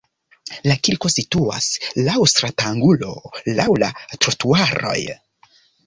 La kirko situas laŭ stratangulo laŭ la trotuaroj.